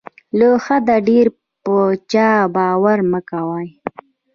له حده ډېر په چا باور مه کوه.